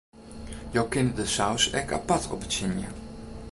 Jo kinne de saus ek apart optsjinje.